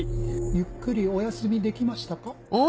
ゆっくりお休みできましたか？